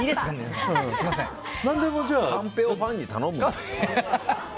カンペをファンに頼むなよ。